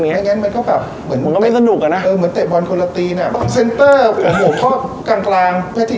มันก็แบบเหมือนก็ไม่สนุกอ่ะนะเออเหมือนเตะบอลคนละตีนอ่ะ